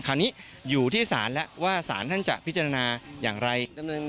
คราวนี้อยู่ที่ศาลแล้วว่าสารท่านจะพิจารณาอย่างไร